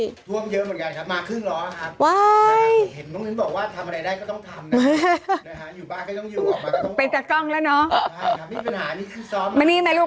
ท่วมเยอะหมดกันครับมาครึ่งร้อนค่ะ